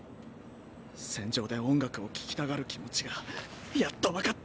戦場で音楽を聴きたがる気持ちがやっと分かった。